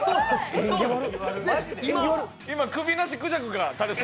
今首なしクジャクが。